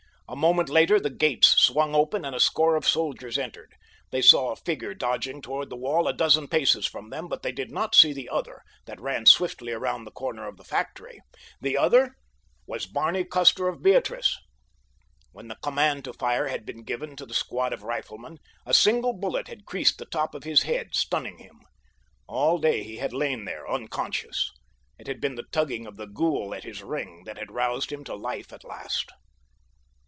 A moment later the gates swung open and a score of soldiers entered. They saw a figure dodging toward the wall a dozen paces from them, but they did not see the other that ran swiftly around the corner of the factory. This other was Barney Custer of Beatrice. When the command to fire had been given to the squad of riflemen, a single bullet had creased the top of his head, stunning him. All day he had lain there unconscious. It had been the tugging of the ghoul at his ring that had roused him to life at last.